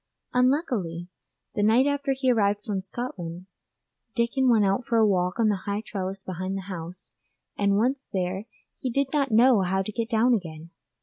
Unluckily, the night after he arrived from Scotland Dickon went out for a walk on the high trellis behind the house, and once there did not know how to get down again.